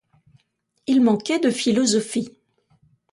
Il manquait de philosophie.